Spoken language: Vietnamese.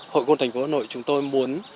hội gốc tp hà nội chúng tôi muốn